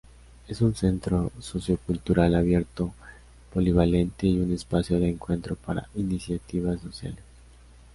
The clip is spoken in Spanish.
Es un centro sociocultural abierto, polivalente y un espacio de encuentro para iniciativas sociales.